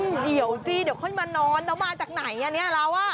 มันเหี่ยวจริงเดี๋ยวค่อยมานอนเรามาจากไหนนี่เรา